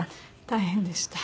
大変でした。